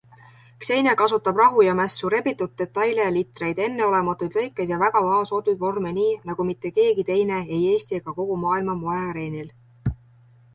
Xenia kasutab rahu ja mässu, rebitud detaile ja litreid, enneolematuid lõikeid ja väga vaoshoitud vorme nii, nagu mitte keegi teine ei Eesti ega kogu maailma moeareenil.